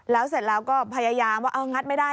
แล้วเสร็จแล้วก็พยายามว่าเอางัดไม่ได้